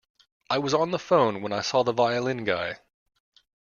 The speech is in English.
I was on the phone when I saw the violin guy.